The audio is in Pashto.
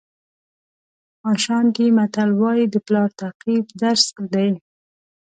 اشانټي متل وایي د پلار تعقیب درس دی.